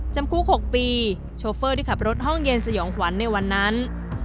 จำคุก๖ปีโชเฟอร์ที่ขับรถห้องเย็นสยองขวัญในวันนั้น